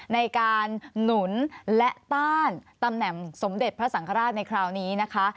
ในการหนุนและต้านตำแหน่งสมเด็จพระสังฆราชในคราวนี้นะคะ